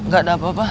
gak ada apa apa